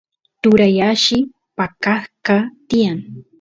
turay alli paqasqa tiyan